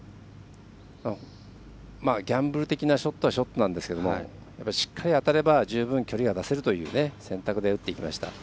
ギャンブル的なショットなんですけどしっかり当たれば十分距離が出せるという選択で打っていきました。